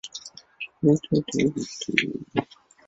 宋代仍有设置。